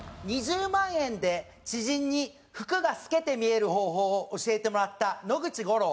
「２０万円で知人に服が透けて見える方法を教えてもらった野口五郎」。